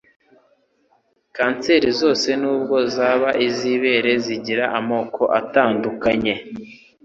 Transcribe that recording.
kanseri zose nubwo zaba izibere zigira amoko atandukanye.